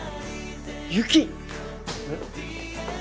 雪！